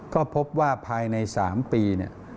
ก็พบว่าภายใน๓ปี